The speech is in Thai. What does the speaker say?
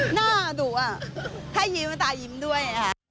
หน้าดุถ้ายิ้มตายิ้มด้วย